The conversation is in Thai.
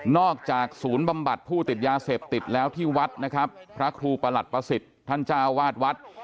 จากศูนย์บำบัดผู้ติดยาเสพติดแล้วที่วัดนะครับพระครูประหลัดประสิทธิ์ท่านเจ้าวาดวัด